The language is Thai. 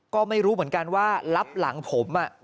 ก็ไม่รู้เหมือนกันว่ารับหลังผม